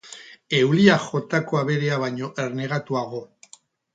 Euliak jotako aberea baino ernegatuago.